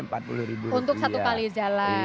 untuk satu kali jalan